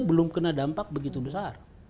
belum kena dampak begitu besar